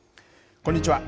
こんにちは。